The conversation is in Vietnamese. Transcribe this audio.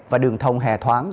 và đường thông hề thoáng